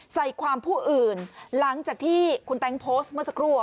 ใส่ความผู้อื่นหลังจากที่คุณแต๊งโพสต์เมื่อสักครู่